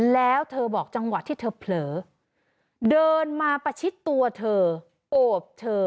แล้วเธอบอกจังหวะที่เธอเผลอเดินมาประชิดตัวเธอโอบเธอ